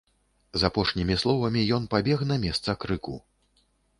З апошнімі словамі ён пабег на месца крыку.